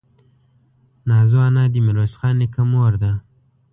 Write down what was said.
نازو انا دې ميرويس خان نيکه مور ده.